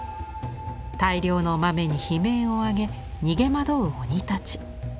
大量の豆に悲鳴をあげ逃げ惑う鬼たち。